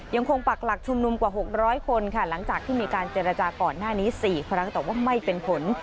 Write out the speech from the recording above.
ปักหลักชุมนุมกว่า๖๐๐คนค่ะหลังจากที่มีการเจรจาก่อนหน้านี้๔ครั้งแต่ว่าไม่เป็นผล